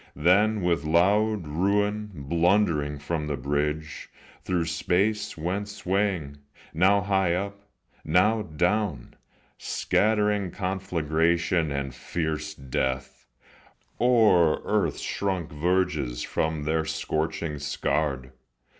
Then with loud ruin, blundering from the bridge, Through space went swaying, now high up, now down, Scattering conflagration and fierce death O'er earth's shrunk verges where their scorchings scarred.